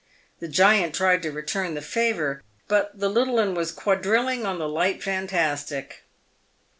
The giant tried to return the favour, but the little 'un was quadrilling on the light fantastic.